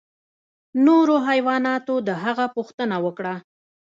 نورو حیواناتو د هغه پوښتنه وکړه.